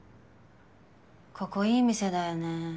ここいい店だよね。